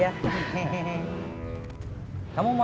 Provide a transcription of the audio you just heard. temen temen mau kue balok